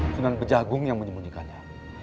senang pejagung yang menyembunyikannya